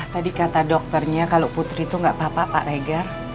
tadi kata dokternya kalau putri itu gak apa apa pak leger